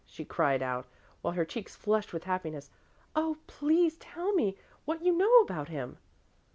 she cried out, while her cheeks flushed with happiness. "Oh, please tell me what you know about him."